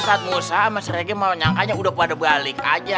ustadz musa sama srike mau nyangkanya udah pada balik aja